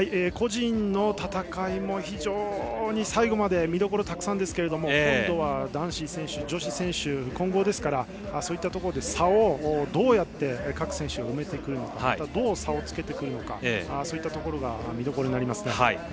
個人の戦いも非常に最後まで見どころたくさんですけど今度は男子選手、女子選手の混合団体ですからそういったところで差をどうやって各選手、埋めてくるのかどう差をつけてくるのかそういったところが見どころです。